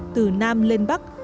từ nam lên bắc